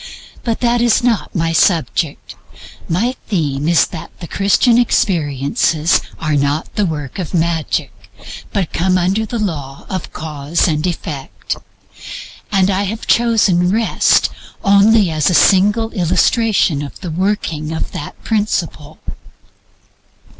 But that is not my subject. My theme is that the Christian experiences are not the work of magic, but come under the law of Cause and Effect. I have chosen Rest only as a single illustration of the working of that principle.